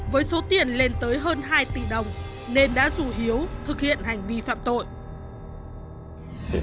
với số tiền lên tới hơn hai tỷ đồng nên đã rủ hiếu thực hiện hành vi phạm tội